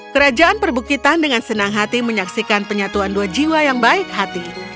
kerajaan perbukitan dengan senang hati menyaksikan penyatuan dua jiwa yang baik hati